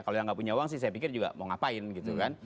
kalau yang nggak punya uang sih saya pikir juga mau ngapain gitu kan